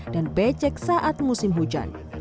dan becek saat musim hujan